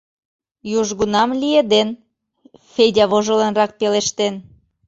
— Южгунам лиеден, — Федя вожылынрак пелештен.